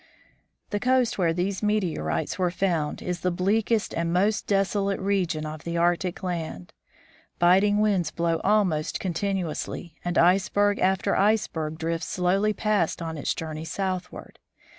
The coast where these meteorites were found is the bleakest and most desolate region of the Arctic land. Biting winds blow almost continuously, and iceberg after iceberg drifts slowly past on its journey southward.